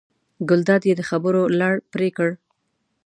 ګلداد یې د خبرو لړ پرې کړ.